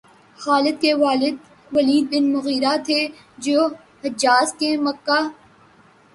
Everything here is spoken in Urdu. خالد کے والد ولید بن مغیرہ تھے، جو حجاز کے مکہ